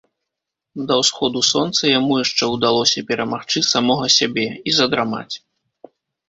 Да ўсходу сонца яму яшчэ ўдалося перамагчы самога сябе і задрамаць.